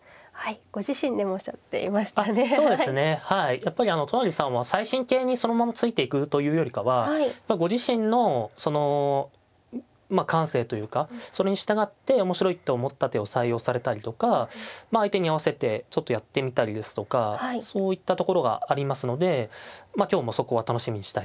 やっぱり都成さんは最新型にそのままついていくというよりかはご自身のその感性というかそれに従って面白いと思った手を採用されたりとかまあ相手に合わせてちょっとやってみたりですとかそういったところがありますので今日もそこは楽しみにしたいと思います。